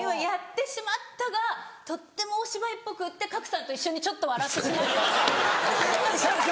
「やってしまった！」がとってもお芝居っぽくって賀来さんと一緒にちょっと笑ってしまいました。